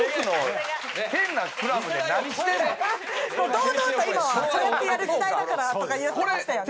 堂々と今はそうやってやる時代だからとか言ってましたよね。